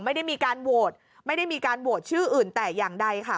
ไม่ได้มีการโหวตไม่ได้มีการโหวตชื่ออื่นแต่อย่างใดค่ะ